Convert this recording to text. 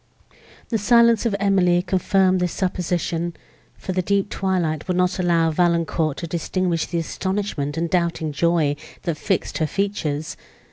The silence of Emily confirmed this supposition; for the deep twilight would not allow Valancourt to distinguish the astonishment and doubting joy, that fixed her features.